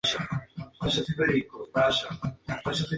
Otro participante fue el general estadounidense Winfield Scott.